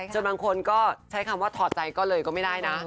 บางคนก็ใช้คำว่าถอดใจก็เลยก็ไม่ได้นะ